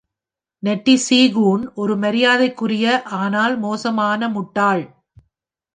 நெட்டி சீகூன் ஒரு மரியாதைக்குரிய ஆனால் மோசமான முட்டாள்.